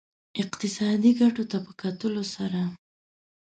اقتصادي ګټو ته په کتلو سره.